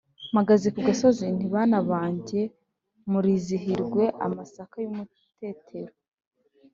Mpagaze ku gasozi nti bana banjye murizihiwe-Amasaka y'umuterero.